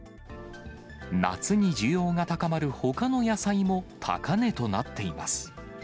夏に需要が高まるほかの野菜も高値となっています。